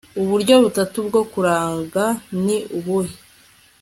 uburyo butatu bwo kuraga ni ubuhe